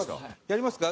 やりますか？